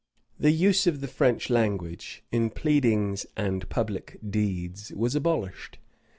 The use of the French language, in pleadings and public deeds, was abolished.